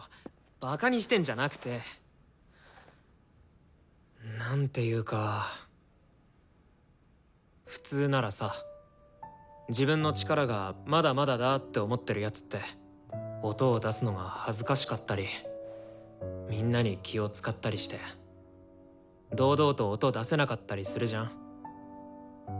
バカにしてんじゃなくて。なんていうか普通ならさ自分の力が「まだまだだ」って思ってる奴って音を出すのが恥ずかしかったりみんなに気を遣ったりして堂々と音出せなかったりするじゃん？